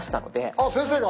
あっ先生が？